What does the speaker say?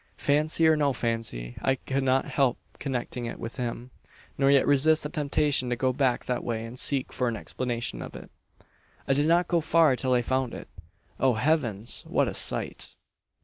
"Fancy or no fancy, I could not help connecting it with him; nor yet resist the temptation to go back that way and seek for an explanation of it. "I did not go far till I found it. Oh, Heavens! What a sight!